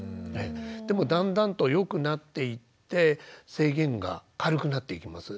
でもだんだんとよくなっていって制限が軽くなっていきます。